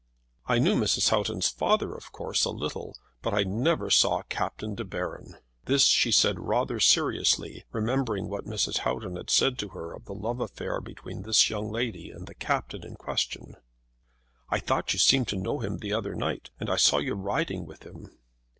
"I knew Mrs. Houghton's father, of course, a little; but I never saw Captain De Baron." This she said rather seriously, remembering what Mrs. Houghton had said to her of the love affair between this young lady and the Captain in question. "I thought you seemed to know him the other night, and I saw you riding with him."